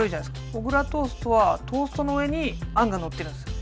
小倉トーストはトーストの上にあんがのってるんですよ。